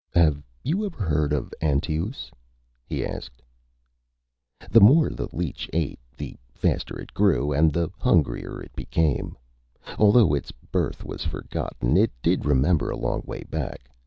"Have you ever heard of Antaeus?" he asked. The more the leech ate, the faster it grew and the hungrier it became. Although its birth was forgotten, it did remember a long way back.